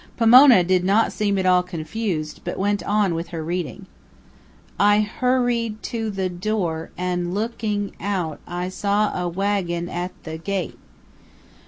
Pomona did not seem at all confused, but went on with her reading. "I hurried to the door, and, look ing out, I saw a wagon at the gate.